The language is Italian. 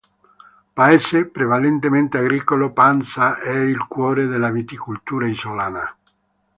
Paese prevalentemente agricolo, Panza è il cuore della viticultura isolana.